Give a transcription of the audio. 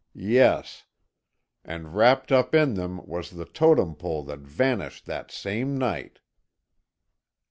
"Yes. And wrapped up in them was the Totem Pole that vanished that same night."